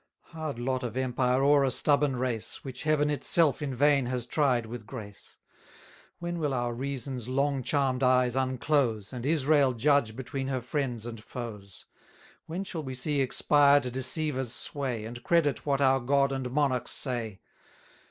Hard lot of empire o'er a stubborn race, Which Heaven itself in vain has tried with grace! When will our reason's long charm'd eyes unclose, And Israel judge between her friends and foes? When shall we see expired deceivers' sway, And credit what our God and monarchs say?